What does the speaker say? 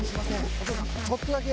お父さんちょっとだけ。